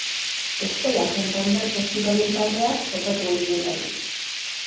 Estela Santander saskibaloi taldeak jokatu ohi duelarik.